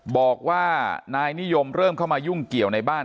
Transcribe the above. บอกว่านายนิยมเริ่มเข้ามายุ่งเกี่ยวในบ้าน